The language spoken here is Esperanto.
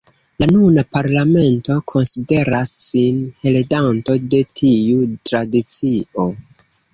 La nuna parlamento konsideras sin heredanto de tiu tradicio.